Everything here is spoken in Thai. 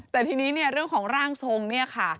แต่ทีนี้เรื่องของร่างทรงนี่ค่ะ